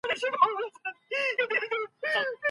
د صحي خدماتو پرمختګ د ټولني ګټه ده.